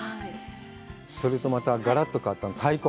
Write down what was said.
それとまた、がらっと変わって太鼓。